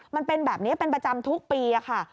มันเป็นแบบนี้เป็นประจำทุกปีค่ะ